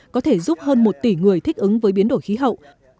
có thể giúp hơn một tỷ người thích ứng với biến đổi khí hậu